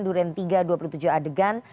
duren tiga ratus dua puluh tujuh adegan